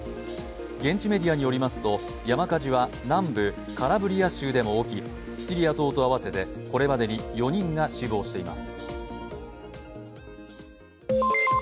現地メディアによりますと山火事は南部カラブリア州でも起きシチリア島と合わせて、これまでに４人が死亡しています。